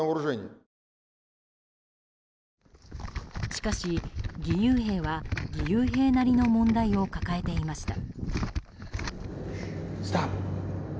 しかし義勇兵は義勇兵なりの問題を抱えていました。